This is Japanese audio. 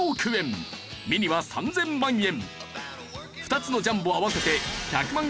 ミニは３０００万円。